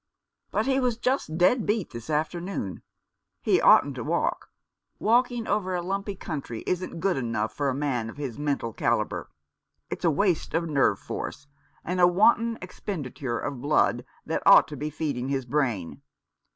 But he was just dead beat this afternoon. He oughtn't to walk ; walking over a lumpy country isn't good enough for a man of his mental calibre It's a waste of nerve force, and a wanton expendi ture of blood that ought to be feeding his brain.